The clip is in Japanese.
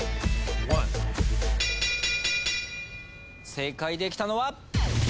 正解できたのは。